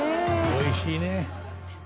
おいしいね。